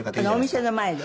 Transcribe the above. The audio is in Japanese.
お店の前で？